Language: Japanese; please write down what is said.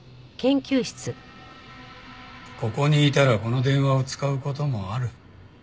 ここにいたらこの電話を使う事もある。